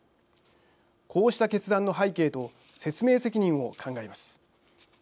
こうした決断の背景と説明責任を考えます。